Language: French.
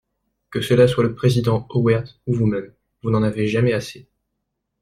Que cela soit le président Woerth ou vous-même, vous n’en avez jamais assez.